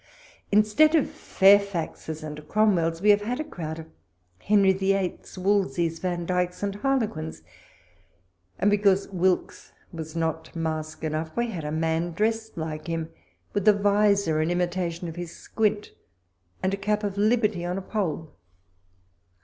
Instead of Fairfaxes and Cromwells, we have had a crowd of Henry the Eighths, Wol seys, Vandykes, and Harlequins ; and because Wilkes was not mask enough, we had a man dressed like him, with a visor, in imitation of his squint, and a Cap of Liberty on a pole.